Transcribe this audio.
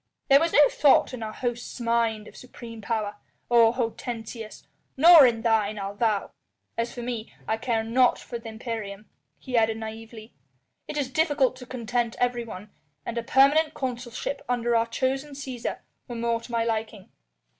There was no thought in our host's mind of supreme power, O Hortensius! nor in thine, I'll vow. As for me, I care nought for the imperium," he added naïvely, "it is difficult to content everyone, and a permanent consulship under our chosen Cæsar were more to my liking.